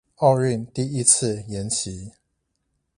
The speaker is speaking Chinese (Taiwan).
奧運第一次延期